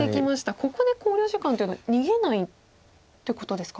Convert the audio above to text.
ここで考慮時間というのは逃げないってことですか？